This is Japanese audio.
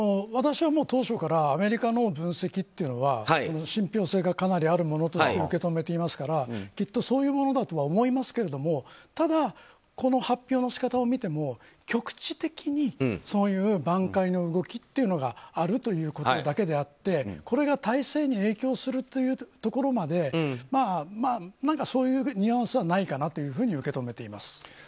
私は当初からアメリカの分析というのは信ぴょう性がかなりあるものとして受け止めていますからきっと、そういうものだとは思いますけれどもただ、この発表の仕方を見ても局地的にそういう挽回の動きというのがあるということだけであってこれが大勢に影響するというところまでそういうのはないかなと思います。